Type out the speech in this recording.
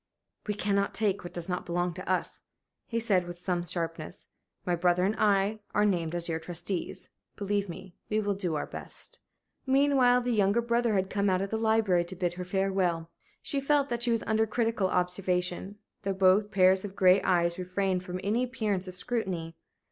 "We cannot take what does not belong to us," he said, with some sharpness. "My brother and I are named as your trustees. Believe me, we will do our best." Meanwhile the younger brother had come out of the library to bid her farewell. She felt that she was under critical observation, though both pairs of gray eyes refrained from any appearance of scrutiny.